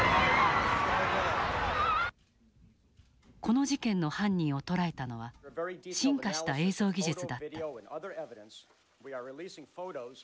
この事件の犯人を捕らえたのは進化した映像技術だった。